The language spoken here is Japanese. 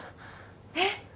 えっ！？